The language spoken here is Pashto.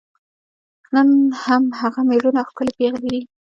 نن هم هغه میړونه او ښکلي پېغلې دي.